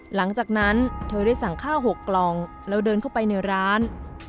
หลังจากนั้นเธอได้สั่งข้าว๖กล่องแล้วเดินเข้าไปในร้าน